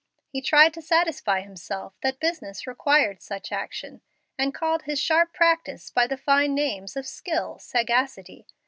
He tried to satisfy himself that business required such action, and called his sharp practice by the fine names of skill, sagacity.